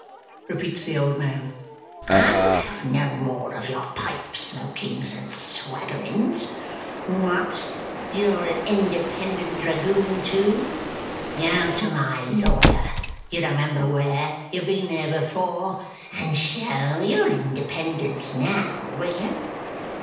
repeats the old man. "I'll have no more of your pipe smokings and swaggerings. What? You're an independent dragoon, too! Go to my lawyer (you remember where; you have been there before) and show your independence now, will you?